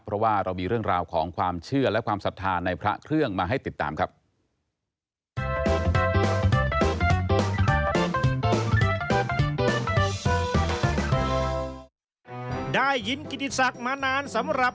เพราะว่าเรามีเรื่องราวของความเชื่อและความศรัทธาในพระเครื่องมาให้ติดตามครับ